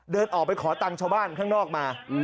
เดินออกไปขอตังค์ชาวบ้านข้างนอกมา